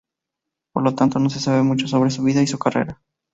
Por lo tanto, no se sabe mucho sobre su vida y su carrera.